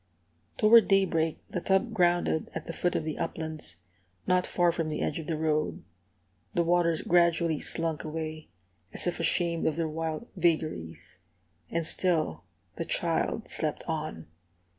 Toward daybreak the tub grounded at the foot of the uplands, not far from the edge of the road. The waters gradually slunk away, as if ashamed of their wild vagaries. And still the child slept on.